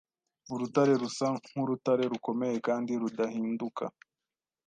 urutare rusa nk urutare rukomeye kandi rudahinduka